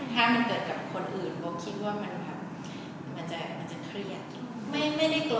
ถ้ามันเกิดกับคนอื่นก็คิดว่ามันจะเครียด